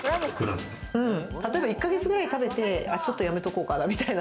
１か月くらい食べて、ちょっとやめとこうかなみたいな。